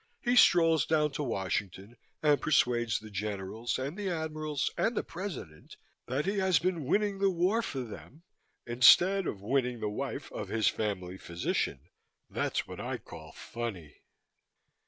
He strolls down to Washington and persuades the Generals and the Admirals and the President that he has been winning the war for them instead of winning the wife of his family physician. That's what I call funny."